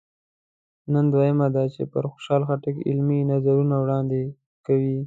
نن دوهمه ده چې پر خوشحال خټک علمي نظرونه وړاندې کوي.